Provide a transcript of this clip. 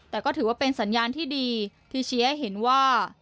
แต่ก็ถือว่าเป็นสัญญาณที่ดีที่ชี้ให้เห็นว่า